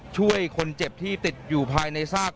ช่วยคนเจ็บที่ติดอยู่ภายในซาก